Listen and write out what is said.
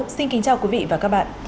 xin kính chào quý vị và các bạn